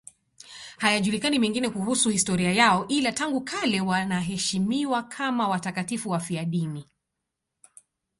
Hayajulikani mengine kuhusu historia yao, ila tangu kale wanaheshimiwa kama watakatifu wafiadini.